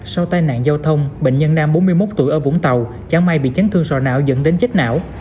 sau tai nạn giao thông bệnh nhân nam bốn mươi một tuổi ở vũng tàu chẳng may bị chấn thương sò não dẫn đến chết não